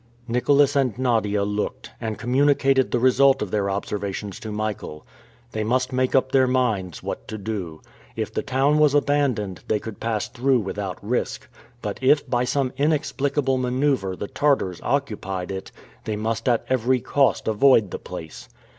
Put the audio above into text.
Nicholas and Nadia looked, and communicated the result of their observations to Michael. They must make up their minds what to do. If the town was abandoned, they could pass through without risk, but if, by some inexplicable maneuver, the Tartars occupied it, they must at every cost avoid the place.